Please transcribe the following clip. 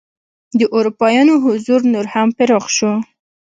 د اروپایانو حضور نور هم پراخ شو.